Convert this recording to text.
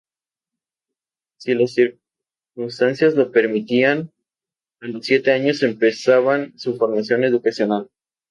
Si las circunstancias lo permitían, a los siete años empezaban su formación educacional.